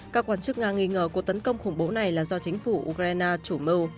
các quan chức nga nghi ngờ cuộc tấn công khủng bố này là do chính phủ ukraine chủ mưu